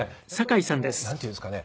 やっぱりなんていうんですかね。